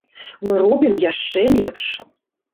Мы робім яшчэ лепш.